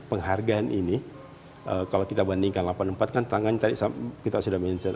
penghargaan ini kalau kita bandingkan delapan puluh empat kan tangan tadi kita sudah mindset